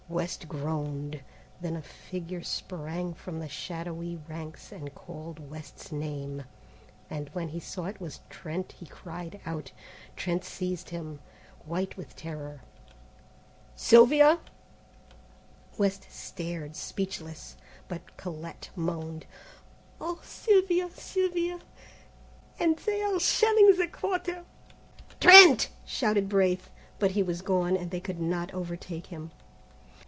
West groaned. Then a figure sprang from the shadowy ranks and called West's name, and when he saw it was Trent he cried out. Trent seized him, white with terror. "Sylvia?" West stared speechless, but Colette moaned, "Oh, Sylvia! Sylvia! and they are shelling the Quarter!" "Trent!" shouted Braith; but he was gone, and they could not overtake them.